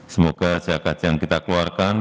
semoga zakat yang kita keluarkan